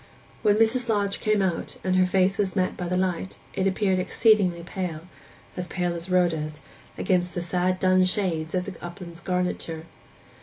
When Mrs. Lodge came out, and her face was met by the light, it appeared exceedingly pale—as pale as Rhoda's—against the sad dun shades of the upland's garniture.